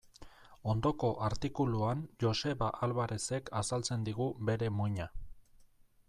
Ondoko artikuluan Joseba Alvarerezek azaltzen digu bere muina.